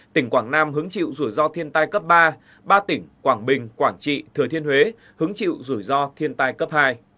tỉnh quảng nam hứng chịu rủi ro thiên tai cấp ba ba tỉnh quảng bình quảng trị thừa thiên huế hứng chịu rủi ro thiên tai cấp hai